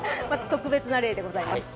特別な例でございます。